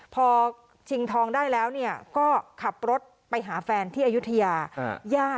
พอชิงทองได้แล้วก็ขับรถไปหาแฟนที่อายุทยา